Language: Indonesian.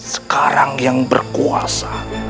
sekarang yang berkuasa